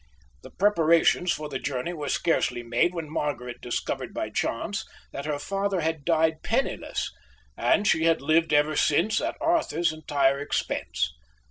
The preparations for the journey were scarcely made when Margaret discovered by chance that her father had died penniless and she had lived ever since at Arthur's entire expense.